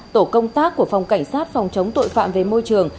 tổ công tác của phòng cảnh sát phòng chống tội phạm về môi trường